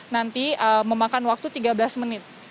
nanti memakan waktu tiga belas menit